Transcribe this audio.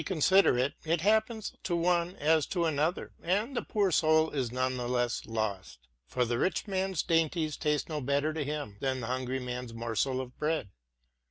49 consider it, it happeneth to one as to another; and the poor soul is none the less lost. For the rich man's dainties taste no better to him than the hungry man's morsel of bread.